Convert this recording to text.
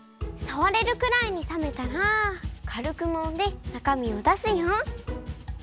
さわれるくらいにさめたらかるくもんでなかみをだすよ。